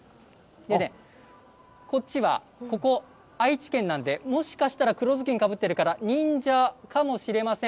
でね、こっちはここ、愛知県なんで、もしかしたら黒頭巾かぶってるから、忍者かもしれません。